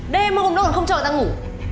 đêm hôm đâu còn không cho người ta ngủ